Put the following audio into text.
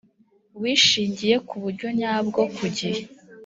wishingiwe mu buryo nyabwo ku gihe